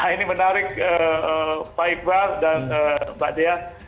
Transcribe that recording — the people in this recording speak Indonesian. ini menarik pak iqbal dan mbak dea